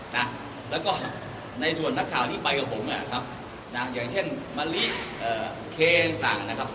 แล้วก็ในส่วนนักข่าวที่ไปกับผมนะครับอย่างเช่นมะลิเคสั่งนะครับ